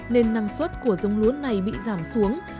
nên năng suất của giống lúa này bị giảm xuống